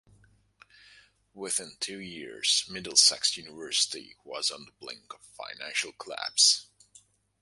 Within two years, Middlesex University was on the brink of financial collapse.